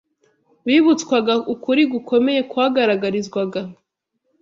Bibutswaga ukuri gukomeye kwagaragarizwaga